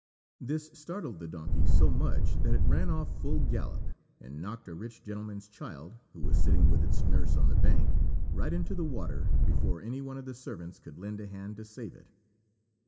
This startled the donkey so much that it ran off full gallop, and knocked a rich gentleman's child, who was sitting with its nurse on the bank, right into the water, before any one of the servants could lend a hand to save it.